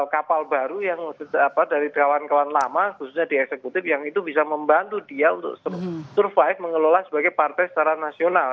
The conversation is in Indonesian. kapal baru yang dari kawan kawan lama khususnya di eksekutif yang itu bisa membantu dia untuk survive mengelola sebagai partai secara nasional